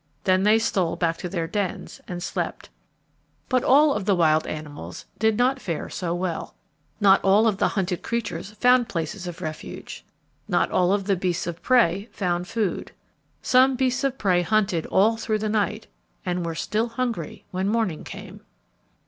Then they stole back to their dens and slept. But all of the wild animals did not fare so well. [Illustration: "Hippopotamuses were snorting and blowing"] Not all of the hunted creatures found places of refuge. Not all of the beasts of prey found food. Some beasts of prey hunted all through the night and were still hungry when morning came.